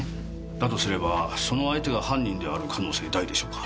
だとすればその相手が犯人である可能性大でしょうか。